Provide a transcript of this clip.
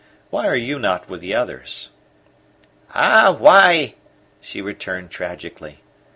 Why are you not with the others?" "Ah, why!" she returned tragically.